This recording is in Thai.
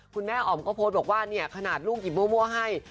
แม่อ๋อมก็โพสต์บอกว่าเนี่ยขนาดลูกหยิบมั่วให้